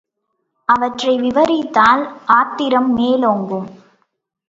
அவற்றை விவரித்தால் ஆத்திரம் மேலோங்கும்.